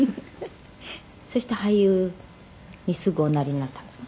「そして俳優にすぐおなりになったんですか？」